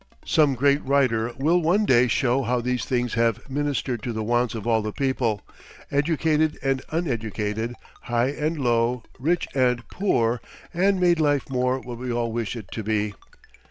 Some great writer will one day show how these things have ministered to the wants of all the people, educated and uneducated, high and low, rich and poor, and made life more what we all wish it to be.